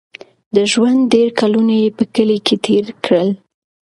د ژوند ډېر کلونه یې په کلي کې تېر کړل.